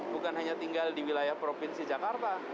bukan hanya tinggal di wilayah provinsi jakarta